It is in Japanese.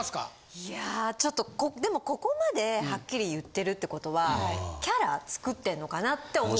いやちょっとでもここまではっきり言ってるってことはキャラ作ってんのかなって思う。